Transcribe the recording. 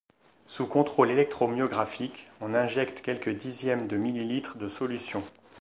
Sous contrôle électromyographique, on injecte quelques dixième de ml de solution.